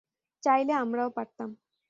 চাইলে আমরাও পারতাম।